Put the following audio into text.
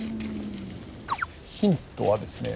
ヒントはですね。